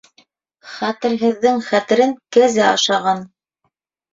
Хәтерһеҙҙең хәтерен кәзә ашаған.